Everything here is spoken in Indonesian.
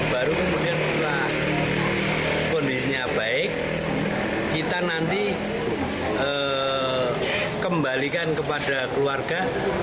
baru kemudian setelah kondisinya baik kita nanti kembalikan kepada keluarga